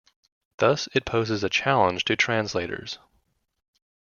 Thus, it poses a challenge to translators.